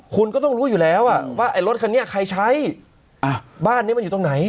คุณก็ต้องรู้อยู่แล้วว่ารถคันเนี่ยใครใช้บ้านนี้มันอยู่ตรงไหน